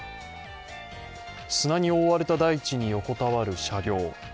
砂に覆われた大地に横たわる車両。